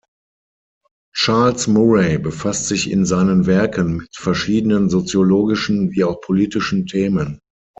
Charles Murray befasst sich in seinen Werken mit verschiedenen soziologischen wie auch politischen Themen.